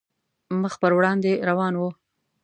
مخ په وړاندې روان وو.